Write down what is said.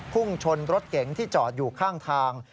พุ่งชนรถเก๋งที่จอดอยู่ข้างทาง